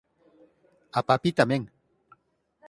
A papi tamén.